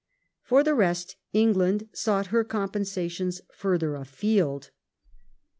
For the rest England sought her compensations further afield.